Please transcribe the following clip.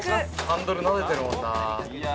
・ハンドルなでてるもんな